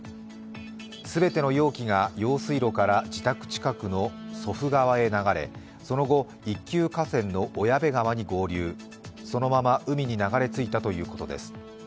全ての容器が用水路から自宅近くの祖父川へ流れその後、一級河川の小矢部川に合流そのまま海に流れ着いたということです。